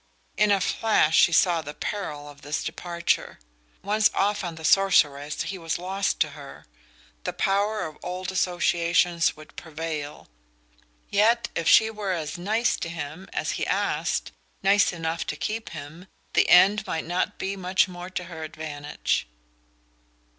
In a flash she saw the peril of this departure. Once off on the Sorceress, he was lost to her the power of old associations would prevail. Yet if she were as "nice" to him as he asked "nice" enough to keep him the end might not be much more to her advantage.